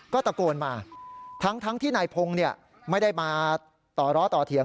ก็ตะโกนมาทั้งที่นายพงศ์ไม่ได้มาต่อล้อต่อเถียง